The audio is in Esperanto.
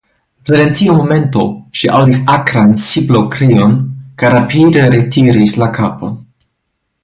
Sed en tiu momento ŝi aŭdis akran siblokrion, kaj rapide retiris la kapon.